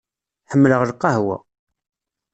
Ḥemmleɣ lqahwa.